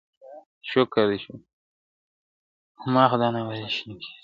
ما خو دا نه ویل شینکی آسمانه٫